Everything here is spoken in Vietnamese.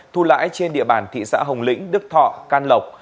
thu lãi trên địa bàn thị xã hồng lĩnh đức thọ can lộc